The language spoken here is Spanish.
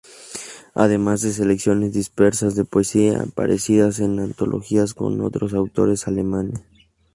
Además de selecciones dispersas de poesía aparecidas en antologías con otros autores alemanes.